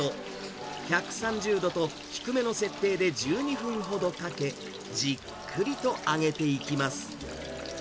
１３０度と低めの設定で１２分ほどかけ、じっくりと揚げていきます。